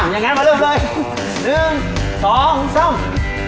อย่างงั้นมาเริ่มเลย